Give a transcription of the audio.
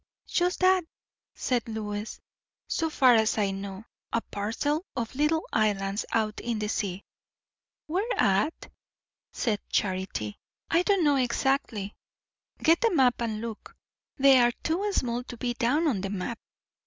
"Just that," said Lois; "so far as I know. A parcel of little islands, out in the sea." "Where at?" said Charity. "I don't know exactly." "Get the map and look." "They are too small to be down on the map."